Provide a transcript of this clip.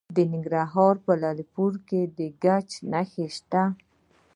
د ننګرهار په لعل پورې کې د ګچ نښې شته.